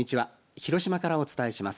広島からお伝えします。